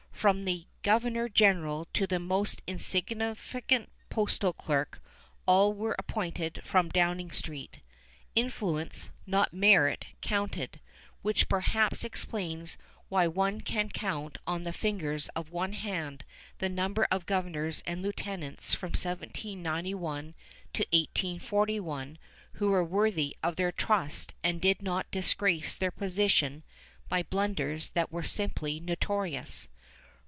From the governor general to the most insignificant postal clerk, all were appointed from Downing Street. Influence, not merit, counted, which perhaps explains why one can count on the fingers of one hand the number of governors and lieutenants from 1791 to 1841 who were worthy of their trust and did not disgrace their position by blunders that were simply notorious.